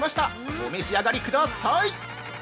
お召し上がりください！